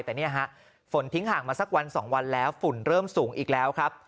แต่เนี่ยฮะฝนทิ้งห่างมาสักวัน๒วันแล้วฝุ่นเริ่มสูงอีกแล้วครับ